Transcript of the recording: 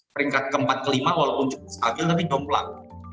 peringkat keempat kelima walaupun stabil tapi jomplak